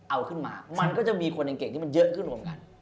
เอาขึ้นมามันก็จะมีคนเดี่ยงเก่งก็มันเยอะขึ้นหลวงกัน